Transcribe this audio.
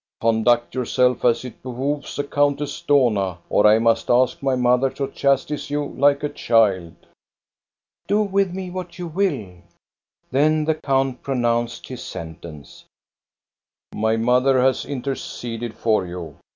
" Conduct yourself as it behooves a Countess Dohna, or I must ask my mother to chastise you like a child." " Do with me what you will !" Then the count pronounced his sentence :—My mother has interceded for you.